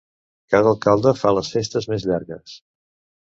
Cada alcalde fa les festes més llargues.